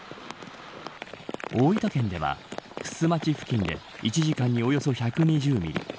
大分県では玖珠町付近で１時間におよそ１２０ミリ。